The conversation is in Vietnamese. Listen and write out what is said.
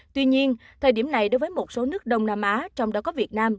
tuy nhiên thời điểm này đối với một số nước đông nam á trong đó có việt nam